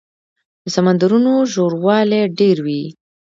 د سمندرونو ژوروالی ډېر وي.